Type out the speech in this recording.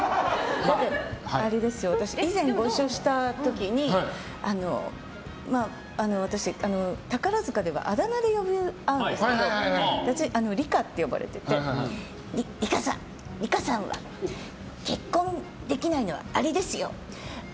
だって、以前ご一緒した時に宝塚ではあだ名で呼び合うんですけど私、リカって呼ばれててリカさんは結婚できないのはあれですよ